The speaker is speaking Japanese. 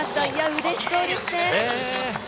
うれしそうですね。